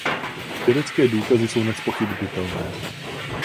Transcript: Vědecké důkazy jsou nezpochybnitelné.